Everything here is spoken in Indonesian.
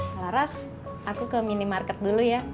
selaras aku ke minimarket dulu ya